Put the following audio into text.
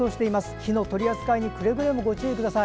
火の取り扱いにくれぐれもご注意ください。